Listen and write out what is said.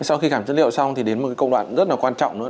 sau khi làm chất liệu xong thì đến một công đoạn rất là quan trọng nữa